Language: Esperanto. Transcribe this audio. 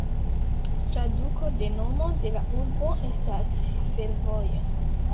Traduko de nomo de la urbo estas "fervoja".